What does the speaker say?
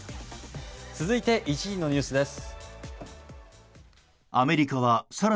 続いて１位のニュースです。